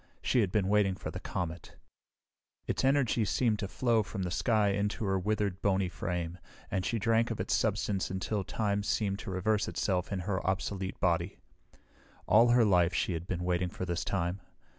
She had been waiting for the comet. Its energy seemed to flow from the sky into her withered, bony frame, and she drank of its substance until time seemed to reverse itself in her obsolete body. All her life she had been waiting for this time.